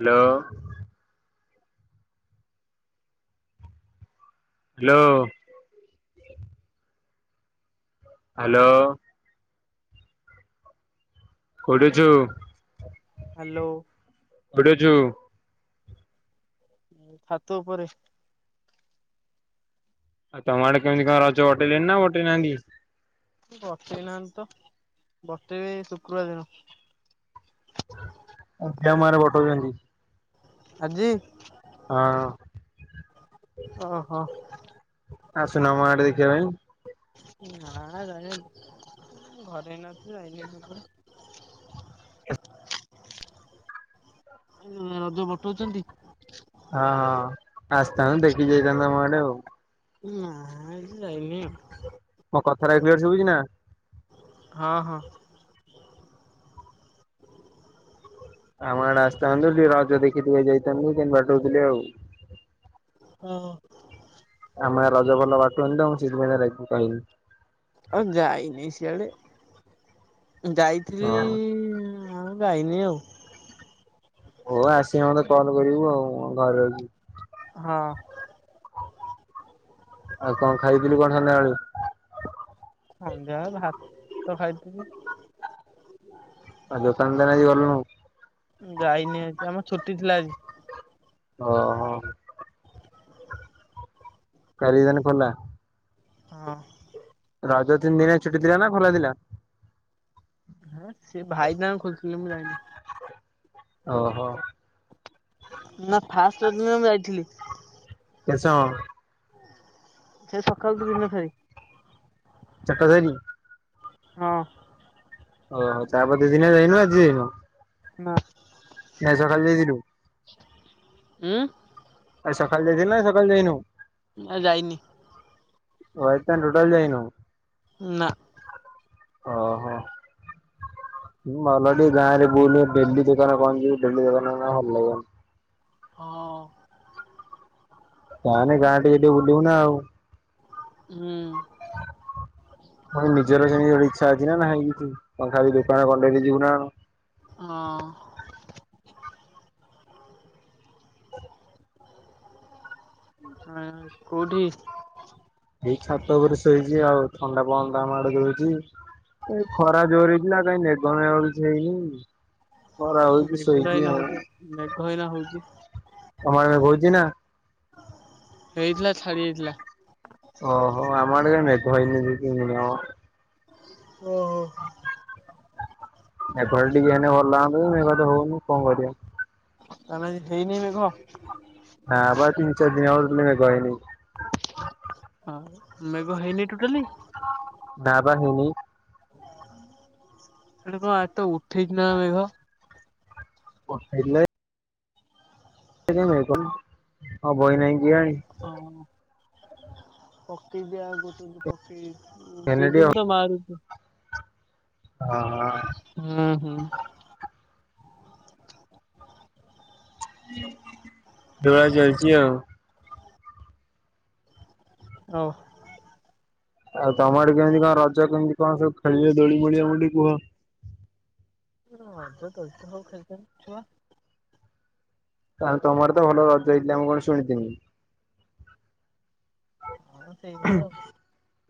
Hello. Hello. Hello. କୋଉଠି ଅଛୁ? Hello. କୋଉଠି ଅଛୁ? ମୁଁ ଛାତ ଉପରେ। ଆଉ ତମେ ଆଡେ କେମିତି କଣ ରଜ କଟେଇଛନ୍ତି ନା କଟେଇ ନାହାନ୍ତି। ବତେଇ ନାହାନ୍ତି ତ ବତେଇବ ଏ ଶୁକ୍ରବାର ଦିନ। ଅଧିକା ମାର୍କ ବଟଉଚନ୍ତି। ଆଜି। ହଁ। ଓ ହୋ। ଆସୁନୁ ଆମ ଆଡେ ଦେଖିବା ପାଇଁ। ନାଁ ଯାଇ [unintelligible] ଘରେ ନ [inaudible] ମଦ ପଠଉଛନ୍ତି? ହଁ-ହଁ ଆସିଥାନ୍ତୁ ଦେଖି‌ ଯାଇଥାନ୍ତୁ ଆମ ‌ଆଡେ ଆଉ। ନାଁ ଆଜି ଯାଇମିନି ଆଉ। ମୋ କଥାଟା କ୍ଲିୟର୍ ଶୁଭୁଚିନା? ହଁ-ହଁ। ଆମ ଆଡେ ଆସିଥାନ୍ତୁ ଟିକେ ରଜ ଦେଖି ଦେଇ ଯାଇଥାନ୍ତୁ, କେମିତି ବାଡଉଥିଲେ ଆଉ। ଓ ହୋ। ଆମ‌ ଗାଆଁ ରଜ ଭଲ ବାଟୁଣି ତ ମୁଁ ସେଇଥିପାଇଁକା ରହିଲି କହିଲି। ଆଉ ଯାଇନି ସିଆଡେ ଯାଇଥିଲି ହଁ। ଆଉ ଯାଇନି ଆଉ। ହଉ ଆସିଲେ ମତେ କଲ୍ କରିବୁ ଆଉ ମୁଁ ଘରେ ଆଛି। ହଁ। ଆଉ କଣ ଖାଇଥିଲୁ କଣ ସନ୍ଧ୍ୟାବେଳେ? ସନ୍ଧ୍ୟା ବେଳେ ଭାତ ଖାଇଥିଲି। ଆଉ ଯୋତାନ୍ତର ଆଜି ଗଲୁନୁ? ଯାଇନି ଆଜି ଆମର ଛୁଟି ଥିଲା ଆଜି। ଓହୋଃ କାଲି ତାହେଲେ ଖୋଲା? ହଁ। ରଜ ତିନି ଦିନ ଆ ଛୁଟି ଥିଲା ନା ଖୋଲା ଥିଲା? ହଁ ସେ ଭାଇନା ଖୋଲିଥିଲେ ମୁଁ ଯାଇନି। ଓହୋଃ। ନା ଫାଷ୍ଟ୍ ଦିନ ମୁଁ ଯାଇଥିଲି। [unintelligible] ସେ ସକାଳୁ ଦି ଦିନ [unintelligible] ଚାରଟା ଯାଇନୁ? ହଁ। ଓହୋଃ ତାପରେ ଦି ଦିନି ଯାଇନୁ ଆଜି ଯାଇନୁ। ନା। ନା ସକାଳେ ଯାଇଥିଲୁ? ଉଁ? ଆଜି ସକାଳେ ଯାଇଥିଲୁ ନା ସକାଳେ ଯାଇନୁ? ନା ଯାଇନି। ରଇତା ଟୋଟାଲି ଯାଇନୁ? ନା। ଓହୋଃ। ଉଁ ଭଲ ଟିକେ ଗାଆଁରେ ବୁଲୁ ଡେଲି ଦୋକାନ କଣ ଯିବୁ ଡେଲି ଦୋକାନ [unintelligible] ଭଲ ଲାଗିବନି। ହଁ। ଯାହାଲେ ଗାଆଁରେ ଟିକେ ଟିକେ ବୁଲିବୁ ନା ଆଉ। ହୁଁ। [unintelligible] ନିଜର ସେମିତି ଗୋଟେ ଇଚ୍ଛା ଅଛି ନା ନାହିଁ କିଛି। କଣ ଖାଲି ଦୋକାନ [unintelligible] ବି ଯିବୁ ନା କଣ? ହଁ। ହଁ କୋଉଠୀ? ଏଇ ଛାତ ଉପରେ ଶୋଇଛି ଆଉ ଥଣ୍ଡା ପବାନା ଟା ମାଡ ଦଉଚି। ଏ ଖରା ଜୋର ହେଇଥିଲା କାଇଁ ମେଘମ କିଛି ହେଇନି। ଖରା ହଉଛି ମେଘଟା ଶୋଇଛି ଏଇନା ଆଉ। ହଉଛି ମେଘ ହେଇନା ହଉଚି। ତମ ଆଡେ ହଉଚି ନା ହେଇଥିଲା ଛାଡି ଯାଇଥିଲା। ଓହୋ ଆମ ଆଡେ ମେଘ ହୋଇନି ଦି ତିନି ଦିନ୍ ହବ। ଓଁ ମେଘ ଟା ଟିକେ ହେଲେ ଭଲ ଲାଗନ୍ତା ମେଘତ ହଉନି କଣ କରିବା। ତା ହେଇନାଇ ମେଘ। ନାଁପା ତିନ୍ ଚାର୍ ଦିନ ହବ ମେଘ ହେଇନି। ହଁ ମେଘ ହେଇନି ଟୋଟାଲି। ନା ବା ହେଇନି। ସେଟା କଣ ଆତ ଉଠେଇଛି ନା ମେଘ। ପଠେଇଲେ। କ ହଁ ବହି ନାହିଁ କିିଆଣି। ହଁ ପକେଇବି ଆଉ ଗୋଟେ। ଓକେ ହେଲେ ଟିକେ ବିଜୁଳି ତ ମାରୁଚି। ଓଁ ହ ହୁଁ ହୁଁ ଦୋଳା ଚାଲିଛି ଆଉ। ଓ ଆଉ ତମ ଆଡ଼େ କେମିତି କଣ ରଜ କେମିତି କଣ ସବୁ ଖେଳିବେ ଦୋଳି ମୋଳି ଆମକୁ ଟିକେ କୁହ। ହ ଅ ତ ଅ ତ ହଉ ଛନ୍ତି ଛୁଆ। କା ତମର ତ ଭଲ ରଜ ହେଇଥିଲା ମୁଁ କଣ ଶୁଣିଥିନି। ହଁ ସେଇଭଳିଆ ଆଉ।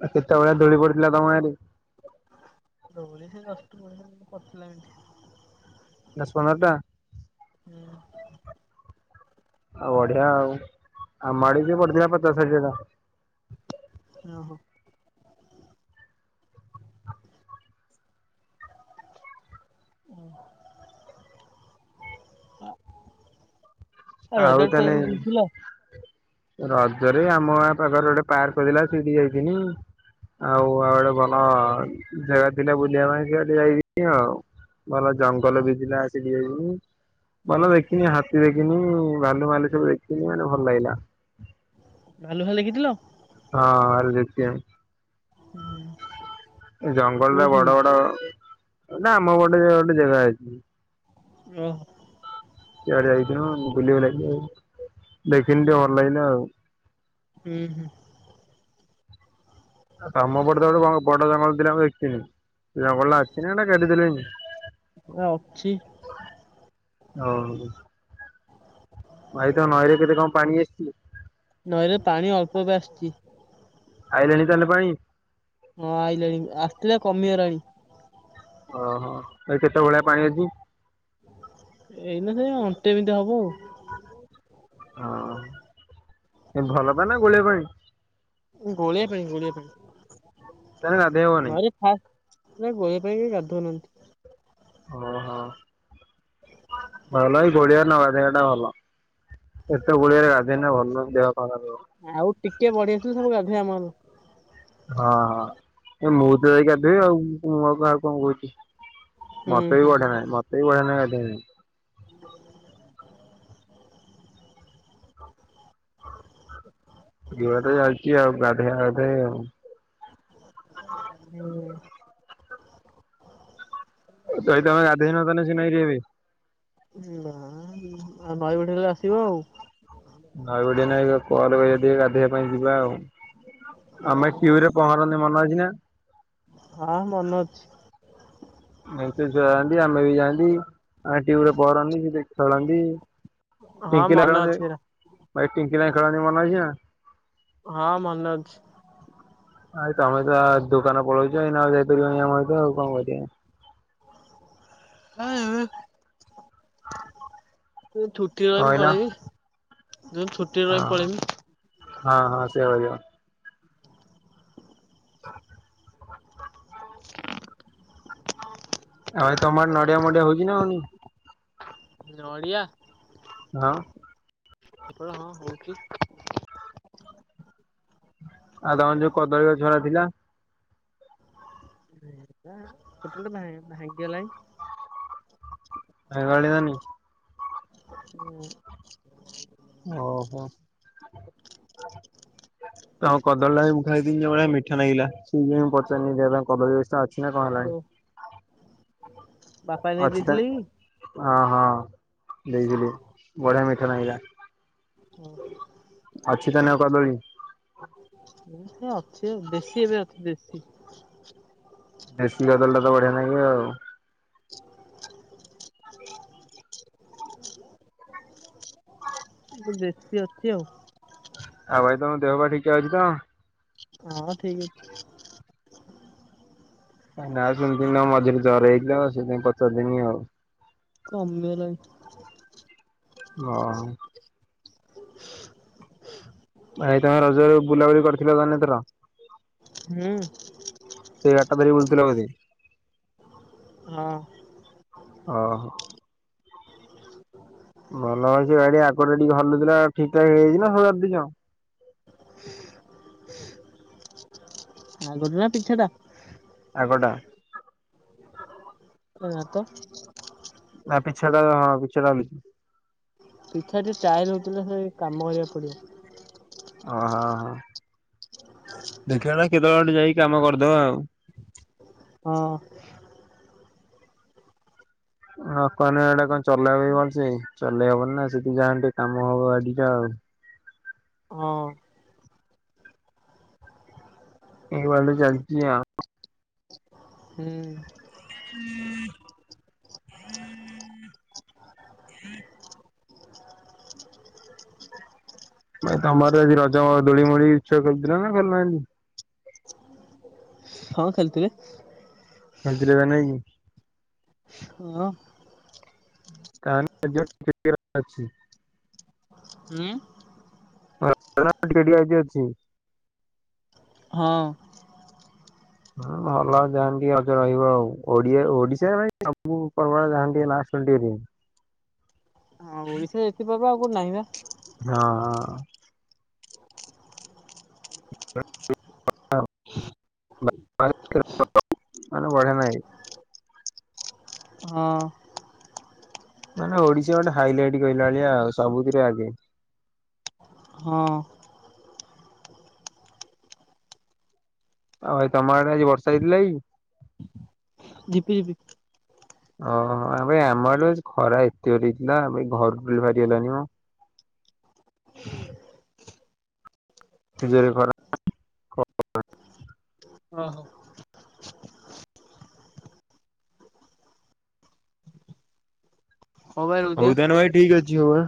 ଆ କେତେବେଳେ ଦୋଳି ପଡ଼ଥିଲା ତମ ଗାଁ ରେ। ଦଉ ସେ ଦଶ ପ ପସିଲା ଏଠି। ନା ସୋନାର୍ ଟା ଆଉ ବଢିଆ ଆଉ ଆମ ଆଡ଼େ ବି ବଢ଼ିଥିଲା ପଚାଶ ଷାଠିଏ ଟଙ୍କା। ଓ ହୋ [inaudible] ଓ ଆ ହ ଆଉ ରଜତ କୁହୁ ତାହେଲେ ବୁଲୁଥିଲ [inaudible] ରଜରେ ଆମ ଗାଁ ପାଖରେ ଗୋଟେ ପାର୍କଥିଲା ସେଇଠି ଯାଇଥିଲି। ଆଉ ଆଉ ଗୋଡେ ଭଲ ଜାଗା ଥିଲା ବୁଲିବା ପାଇଁ ସେଆଡ଼େ ଯାଇଥିଲି ଆଉ। ଭଲ ଜଙ୍ଗଲ ବି ଥିଲା ଆସିକି ଦେଇନୁ ଭଲ ଓହୋ। ଦେଖିନି ହାତୀ ଦେଖିନୁ। ହଁ ଭାଲୁ ମାଲୁ ସବୁ ଦେଖିନୁ ମାନେ ଭଲ ଲାଗିଲା ଭାଲୁ ଭା ଦେଖିଥିଲ। ହଁ ଆର୍ ଦେତି ଏମ୍। ଜଙ୍ଗଲରେ କୋଉଠି? ବଡ ବଡ ନା ଆମ ଗୋଟେ ଗୋଟେ ଯେଗା ଅଛି। ଓ ହୋ ଆଡେ ଯାଇଥିଲୁ ବୁଲିବୁ ଲାଗି ଆଉ ଦେଖିନି ଟିକେ ଭଲ ଲାଗିଲେ ଆଉ। ହୁଁ ହୁଁ [unintelligible] ନା ଅଛି ହଉ ଭାଇ ତ ନଈରେ କେତେ କଣ ପାଣି ଆସିଛି ନଈରେ ପାଣି ଅଳ୍ପ ଏବେ ଆସିଛି ଆଇିଲାଣି ତାହେଲେ ପାଣି ହଁ ଆଇିଲାଣି ଆସିଥିଲା କମିଗଲାଣି ଓହୋ ଏ କେତେ ଭଳିଆ ପାଣି ଅଛି ଏଇନା ସେ ଅଣ୍ଟେ ବିଟେ ହବ ଆଉ ହଁ ଭଲ ପାଣି ନା ଗୋଳିଆ ପାଣି ଗୋଳିଆ ପାଣି ଗୋଳିଆ ପାଣି ତାହେଲେ ଗାଧେଇ ହବ ନାଇଁ ନଇ ରେ ହାତ୍ ନା ଗୋଳିଆ ପାଇଁ କିଏ ଗାଧଉନାହାନ୍ତି ଓହୋ ଭଲ ଏଇ ଗୋଳିିଆରେ ନଗାଧେଇବା ଟା ଭଲ ଏତେ ଗୁଳିଆରେ ଗାଧେଇନେ ଭଲ ନୁହ ଦେହ ଖରାପ ହେବ ଆଉ ଟିକେ ବଢ଼େଇ ଥିଲେ ସବୁ ଗାଧୋଇଆ ଆମର ହଁ ହଁ ଏ ମୁଁ ତ ଯାଇ ଗାଧେଇବି ଆଉ ମୁଁ କାହାକୁ କଣ କହୁଛି ହୁଁ ମତେ ବି ହୁଁ ବଢ଼ିଆ ନାଗେ ମତେ ବି ବଢ଼ିଆ ନାଗେ ଗାଧେଇବାକୁ [inaudible] [inaudible] ଧିବା ଯାଉଛି ଆଉ ଗାଧେଇଆ ଗାଧ ଆଉ ହୁଁ ଭାଇ ତମେ ଗାଧୋଇନ ତାଲେ ସେ ନଇ [unintelligible] ଏବେ ନା ନଈ ବଢ଼ି ଗଲେ ଆସିବ ଆଉ ନଈ ବଡିଆ ନାଇଁ କଲ କରିବା ଟିକ ଗାଧୋଇବା ପାଇଁ ଯିବା ଆଉ ହଁ ଆମେ ଟିଉ ରେ ପହଁରନ୍ତି ମନେ ଅଛି ନା ହଁ ମନେ ଅଛି ଏ ତ ଯାଆନ୍ତି ଆମେ ବି ଯାଆନ୍ତି ଆଁ ଟିଉରେ ପହଁରନ୍ତିି ସେ ଖେଳନ୍ତି ହଁ ଟିଙ୍କି ଲ ମନେ ଖେ ଅଛି ହେରା ଭାଇ ଟିଙ୍କି ଲାଇ ଖେଳନ୍ତି ମନ ଇଛା ହଁ ମନେ ଅଛି ଭାଇ ତମେ ତ ଦୁକାନ ପଳଉଛ ଏଇନା ଆଉ ଯାଇପାରିବନି ଆମ ତ ଆଉ କଣ କର [unintelligible] ପଳେଇବି ଯଛୁ ଆ ହଁ ହଁ ସେବା ହେବ [inaudible] ଭାଇ ତମର ନଡ଼ିଆ ମଡିିଆ ହଉଛି ନା ହଉନି ନଡ଼ିଆ ଆଉ ଏପଟ ହଁ ହଉଛି ଆଉ ତମର ଯୋଉ କଦଳୀ ଗଛ ଗୁଡ଼ା ଥିଲା ସ୍କୁଟି ଗୋଟେ ଭା ଭାଙ୍ଗି ଗଲାଣି [unintelligible] ହୁଁ ଓହୋ ତମ କଦଳୀ ଟା ମୁଁ ଖାଇଦେନି ଭଳିଆ ମିଠା ନାଗିଲା ସେଇଥିପାଇଁ ପଚାରନି ଯେ ଏବେ ଆଉ କଦଳୀ ଗଛଟା ଅଛ ଅଛି ନା କଣ ଓ ହେଲାଣି ବାପା ନେଇ ଅଛି ତ ଦେଇଥିଲେ ଅ ହଁ ଦେଇଥିଲି ବଢି଼ଆ ମିଠା ନାଗିଲା ହଁ [unintelligible] ଅଛି ତା ନେ କଦଳୀ ସେ ଅଛି ଦେଶୀ ଏବେ ଅଛି ଦେଶୀ ଦେଶୀ କଦଳି ଟା ତ ବଢି଼ଆ ନାଗେ ଆଉ ଏ ଦେଶୀ ଅଛି ଆଉ ଆଉ ଭାଇ ତମ ଦେହ ବା ଠିକ ଅଛି ତ ହଁ ଠିକ ଅଛି ନା ସେମିତି ନ ମଝିରେ ଜର ହେଇଥିଲା ଆଉ ସେଇଥିାଇଁ ପଚାରିଦେନି ଆଉ କମି ଗଲାନି ଓହୋ ଭାଇ ତମେ ରଜରେ ବୁଲାବୁଲି କରିଥିଲ ତାନେ ଏ ଥର ହୁଁ ସେଇ ଅଟ ଧରି ବୁଲ୍ ଥିଲ ବୋଧେ ହଁ ଓହୋ ଭଲ ଗାଡି଼ ଆଗରୁ ଟିକେ ହଲୁ ଥିଲା ଠିକ ଠାକ ହେଇଯାଇଛି ନା ସଜାର ଦେଇଛ ଆଗ ଟା ନା ପିଛା ଟା ଆଗଟା ନା ତ [unintelligible] ନା ପିଛାଟା ହଁ ପିଛା ଟା ଲୁ ପିଛା ଟିକେ ଟାୟଏାର ହେଉଥିଲେ ସେ କାମ କରିବାକୁ ପଡିବ ଓହ ହୋ ଦେଖ ନା କେତେବେଳେ ଟେ ଯାଇକି କାମ କରିଦବା ଆଉ ହଁ ହଁ କଣ ଏଟା କଣ ଚଲେଇବ ବଞ୍ଚିବ କି ଚଲେଇ ହବନି ନା ସେଠି ଯାହା ଟିକେ କାମ ହବ ଆଡିକା ଆଉ ହଁ ଏଇ [unintelligible] ହୁଁ ହୁଁ ହୁଁ [unintelligible] ଭାଇ ତମର ଆଜି ରଜ ଦୋଳି ମଳି ଛଆ କରିଥିଲ ନା କରିଲନାହାନ୍ତି [unintelligible] ହଁ ଖେଲ୍ ଥିବେ ହଜିର ନାଇଁ କି [unintelligible] ହଁ କା ଅଛି [unintelligible] ହୁଁ କେଡି ଆଇ ଅଛି [unintelligible] ହଁ ହୁଁ ଭଲ ଯାଆନ୍ତି ଟ ଅଜ ରହିବ ଆଉ ଓଡିଆ ଓଡିଶା ସବୁ ପର୍ବା ଯାଆନ୍ତି ଟ ନାୁ ଟିକେ ହଁ ଓଡିଶା ଏତତିପ ଆଉ ନାହିଁ ବା ହଁ ହଁ ମାନେ ବଢେ ନାହିଁ ହଁ ମାନେ ଓଡିଶା ଗୋଟେ ହାଇଲାଇଟ କହିଲାଳିଆ ଆଉ ସବୁଥିରେ ଆଗେ। ହଁ ଆଉ ତମ ଆଡେ ଆଜି ବର୍ଷା ହେଇଥିଲା ଏ କି? ଝିପିରି ଝିପ ଓହୋ ଆବେ ଆମ ଆଡେ ଆଜି ଖରା ଏତେ ହେଇଥିଲା ଭ ଘର ଟିଏ ବାହାରି ହେଲାନି ଆଉ। ତିଯୋରେ ଖରା ଓ ହୋ ହଉ ଭାଇ ରହୁଛି ଆଁ। ହଉଦାନ ଭାଇ ଠିକ ଅଛି ହଉ